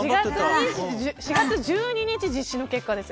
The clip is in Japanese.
４月１２日実施の結果です。